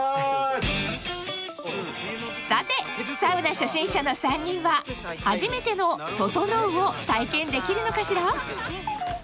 さてサウナ初心者の３人は初めての「ととのう」を体験できるのかしら？